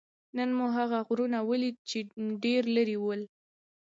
نن مو هغه لرې غرونه ولیدل؟ چې ډېر لرې ول.